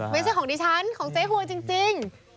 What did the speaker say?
ไม่ใช่ของดิฉันของเจ๊หวยจริง